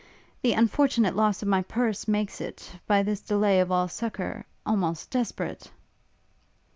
The unfortunate loss of my purse makes it, by this delay of all succour, almost desperate!'